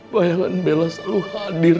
bayangan bella selalu hadir